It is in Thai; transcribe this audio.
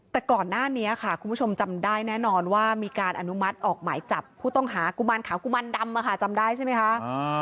แต่ก่อนหน้านี้ค่ะคุณผู้ชมจำได้แน่นอนว่ามีการอนุมัติออกหมายจับผู้ต้องหากุมารขาวกุมารดำจำได้ใช่ไหมคะ